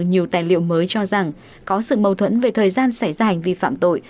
nhiều tài liệu mới cho rằng có sự mâu thuẫn về thời gian xảy ra hành vi phạm tội